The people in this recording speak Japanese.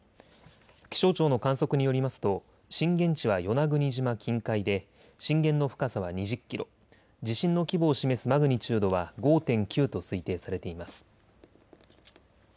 気象庁の観測によりますと震源地は与那国島近海で震源の深さは２０キロ、地震の規模を示すマグニチュードは５．９と推定されています。